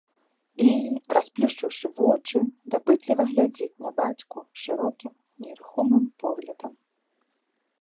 І, расплюшчыўшы вочы, дапытліва глядзіць на бацьку шырокім нерухомым поглядам.